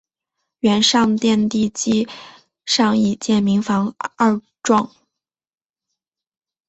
原上殿地基上已建民房二幢。